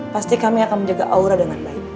pasti kami akan menjaga aura dengan baik